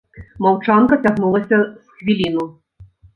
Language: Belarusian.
Маўчанка цягнулася з хвіліну.